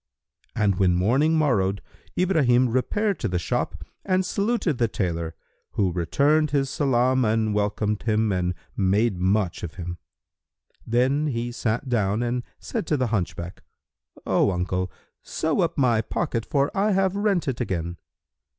And when morning morrowed Ibrahim repaired to the shop and saluted the tailor, who returned his salam and welcomed him and made much of him. Then he sat down and said to the hunchback, "O uncle, sew up my pocket, for I have rent it again."